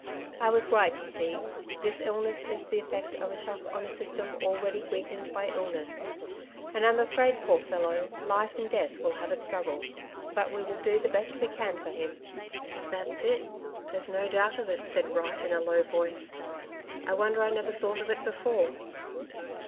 I was right, you see ; this illness is the e£Fect of a shock on a system already weakened by illness ; and I'm afraid, poor fellow, life and death will have a struggle. But we will do the best we can for him." •' That's it, there's no doubt of it," said Wright in a low voice. ''I wonder I never thought of it before."